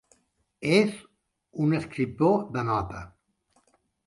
És un escriptor de nota.